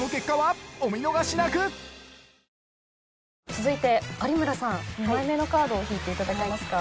続いて有村さん２枚目のカードを引いていただけますか？